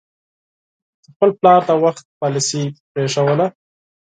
د خپل پلار د وخت پالیسي پرېښودله.